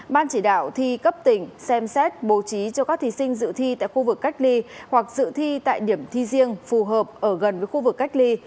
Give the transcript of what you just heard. ban chỉ đạo thi cấp tỉnh xem xét bố trí cho các thí sinh dự thi tại khu vực cách ly hoặc dự thi tại điểm thi riêng phù hợp ở gần với khu vực cách ly